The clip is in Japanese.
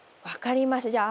分かりました。